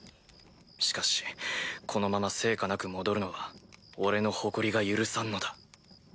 しかしこのまま成果なく戻るのは俺の誇りが許さんのだ。